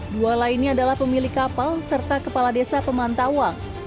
dua lainnya adalah pemilik kapal serta kepala desa pemantauan